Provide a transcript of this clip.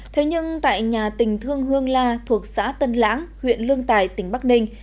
thế nhưng tại nhà tình thương hương la thuộc xã tân lãng huyện lương tài tỉnh bắc ninh